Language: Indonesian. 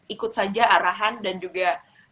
ikut saja arahan dan juga